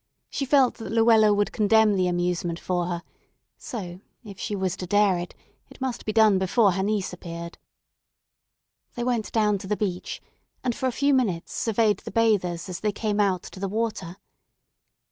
She felt that Luella would condemn the amusement for her; so, if she was to dare it, it must be done before her niece appeared. They went down to the beach, and for a few minutes surveyed the bathers as they came out to the water.